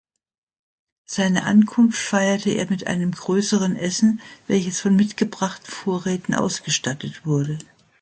Seine Ankunft feierte er mit einem größeren Essen, welches von mitgebrachten Vorräten ausgestattet wurde.